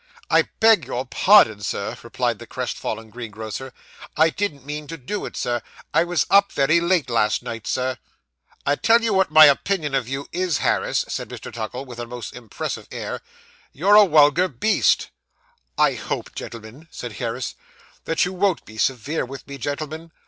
'I beg your pardon, Sir,' replied the crestfallen greengrocer, 'I didn't mean to do it, Sir; I was up very late last night, Sir.' 'I tell you what my opinion of you is, Harris,' said Mr. Tuckle, with a most impressive air, 'you're a wulgar beast.' 'I hope, gentlemen,' said Harris, 'that you won't be severe with me, gentlemen.